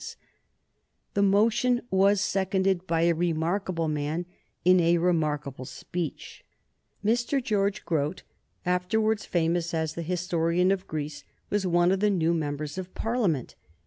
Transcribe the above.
[Sidenote: 1834 George Grote] The motion was seconded by a remarkable man in a remarkable speech. Mr. George Grote, afterwards famous as the historian of Greece, was one of the new members of Parliament.